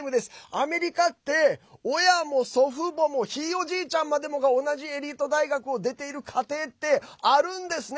アメリカって親も祖父母もひいおじいちゃんまでもが同じエリート大学を出ている家庭ってあるんですね。